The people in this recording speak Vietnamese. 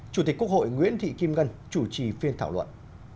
chủ tịch quốc hội nguyễn thị kim ngân chủ trì phiên thảo luận